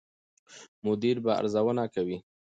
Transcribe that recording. مدیر به ارزونه کوي.